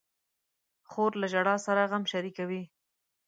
خور له ژړا سره غم شریکوي.